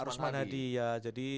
pak rusman hadi ya jadi